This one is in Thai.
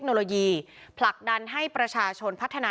คุณวราวุฒิศิลปะอาชาหัวหน้าภักดิ์ชาติไทยพัฒนา